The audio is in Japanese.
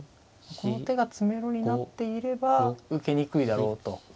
この手が詰めろになっていれば受けにくいだろうと。